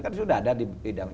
kan sudah ada di bidang